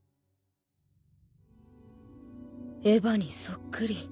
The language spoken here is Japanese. エヴァにそっくり。